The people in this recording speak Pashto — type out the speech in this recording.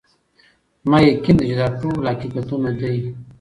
زما یقین دی چي دا ټوله حقیقت دی